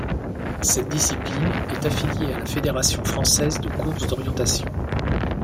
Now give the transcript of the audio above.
Cette discipline est affiliée à la Fédération Française de Course d'Orientation.